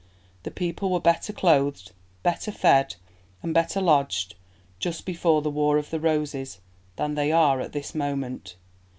... The people were better clothed, better fed, and better lodged just before the Wars of the Roses than they are at this moment.